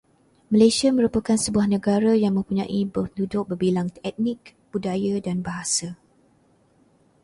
Malaysia merupakan sebuah negara yang mempunyai penduduk berbilang etnik, budaya dan bahasa